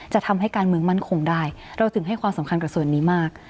จะทำให้การเมืองมั่นคงได้เราถึงให้ความสำคัญกับส่วนนี้มาก